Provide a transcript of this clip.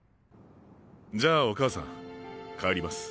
じゃあお母さん帰ります。